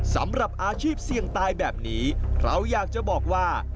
สำหรับอาชีพเสี่ยงตายแบบนี้เราอยากจะบอกว่า